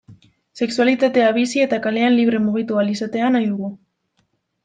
Sexualitatea bizi eta kalean libre mugitu ahal izatea nahi dugu.